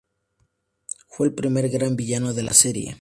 Fue el primer gran villano de la serie.